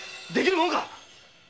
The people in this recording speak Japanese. できるもんか！